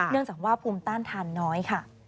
เนื่องจากว่าภูมิต้านทานน้อย